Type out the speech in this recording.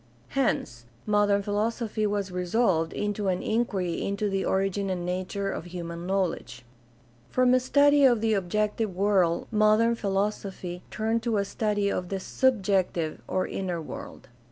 Hence modern philosophy was resolved into an inquiry into the origin and nature of human knowledge. From a study of the objective world modern philosophy turned to a study of the subjective or inner world.